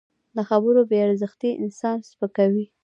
د خبرو بې ارزښتي انسان سپکوي